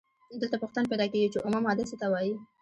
دلته پوښتنه پیدا کیږي چې اومه ماده څه ته وايي؟